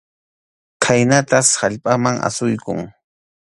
Khaynatas allpaman asuykun.